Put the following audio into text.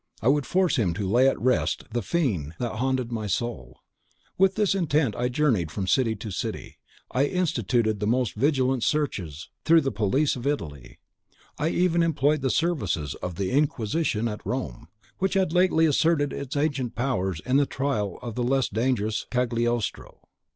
I would force him to lay at rest the fiend that haunted my soul. With this intent I journeyed from city to city. I instituted the most vigilant researches through the police of Italy. I even employed the services of the Inquisition at Rome, which had lately asserted its ancient powers in the trial of the less dangerous Cagliostro.